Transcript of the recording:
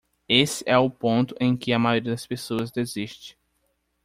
Esse é o ponto em que a maioria das pessoas desiste.